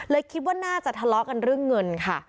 คิดว่าน่าจะทะเลาะกันเรื่องเงินค่ะ